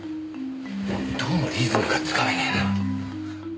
どうもリズムがつかめねえな。